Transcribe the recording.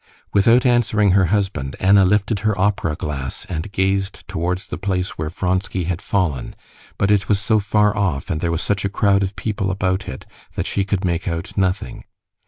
Without answering her husband, Anna lifted her opera glass and gazed towards the place where Vronsky had fallen; but it was so far off, and there was such a crowd of people about it, that she could make out nothing.